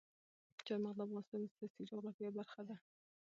چار مغز د افغانستان د سیاسي جغرافیه برخه ده.